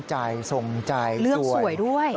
ใช่เรื่องสวยด้วย